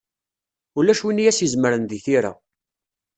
Ulac win i as-izemren deg tira.